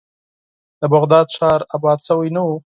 د بغداد ښار آباد شوی نه و.